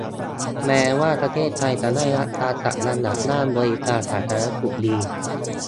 แม้ว่าประเทศไทยจะได้รับการจัดอันดับด้านบริการสาธารณสุขดี